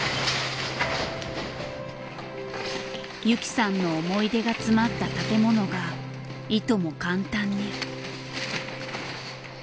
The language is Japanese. ユキさんの思い出が詰まった建物がいとも簡単に。